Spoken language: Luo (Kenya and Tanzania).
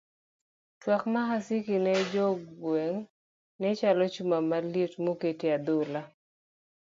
Twak mar Asisi ne jo gweng' ne chalo chuma maliet moket e a dhola.